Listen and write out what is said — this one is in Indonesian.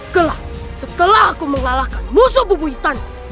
gelap setelah aku mengalahkan musuh bubu hitam